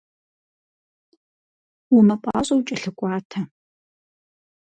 Умыпӏащӏэу кӏэлъыкӏуатэ.